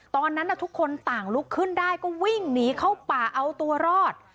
ตอนนั้นทุกคนต่างลุกขึ้นได้ก็วิ่งหนีเข้าป่าเอาตัวรอด